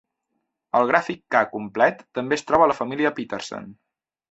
El gràfic "K" complet també es troba a la família Petersen.